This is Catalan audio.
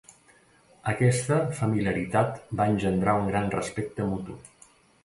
Aquesta familiaritat va engendrar un gran respecte mutu.